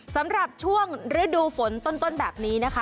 สำหรับช่วงฤดูฝนต้นแบบนี้นะคะ